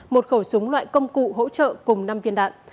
một khẩu súng loại công cụ hỗ trợ cùng năm viên đạn